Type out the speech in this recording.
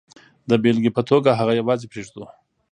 د بېلګې په توګه هغه یوازې پرېږدو.